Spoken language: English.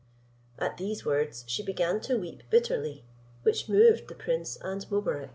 At these words, she began to weep bitterly, which moved the prince and Mobarec.